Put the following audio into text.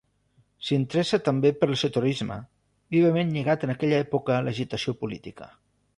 S'interessa també per l'esoterisme, vivament lligat en aquella època a l'agitació política.